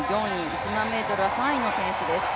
１００００ｍは３位の選手です。